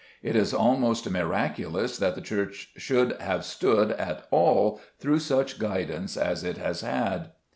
It is almost miraculous that the Church should have stood at all through such guidance as it has had.